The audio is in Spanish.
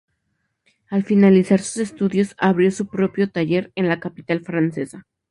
Al finalizar sus estudios abrió su propio taller en la capital francesa.